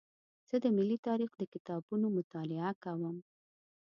زه د ملي تاریخ د کتابونو مطالعه کوم.